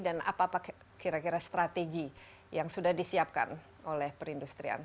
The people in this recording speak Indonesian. dan apa kira kira strategi yang sudah disiapkan oleh perindustrian